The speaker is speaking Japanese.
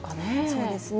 そうですね。